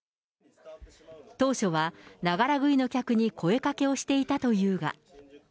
当初はながら食いの客に声かけをしていたというが。